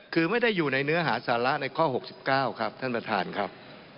คือไม่ได้อยู่ในเนื้อหาสาระในข้อ๖๙ครับท่านประธานครับ